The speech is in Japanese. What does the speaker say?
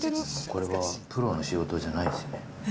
これはプロの仕事じゃないですよね。